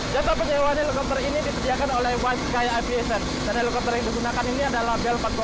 jatuh penyewaan helikopter ini disediakan oleh one sky aviation